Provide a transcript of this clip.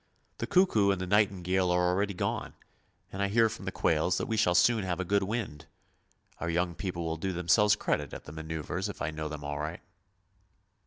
The cuckoo and the nightingale are already gone, and I hear from the quails that we shall soon have a good wind. Our young people will do themselves credit at the manoeuvres if I know them aright!